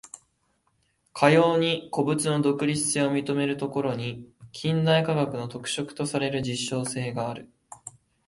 かように個物の独立性を認めるところに、近代科学の特色とされる実証性がある。